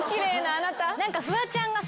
フワちゃんがさ